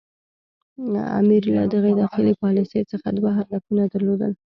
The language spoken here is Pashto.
امیر له دغې داخلي پالیسي څخه دوه هدفونه درلودل.